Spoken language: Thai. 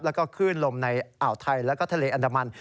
แล้วก็คลื่นลมในอ่าวไทยแล้วก็ทะเลอันดามัน